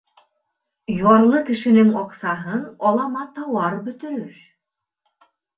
Ярлы кешенең аҡсаһын алама тауар бөтөрөр.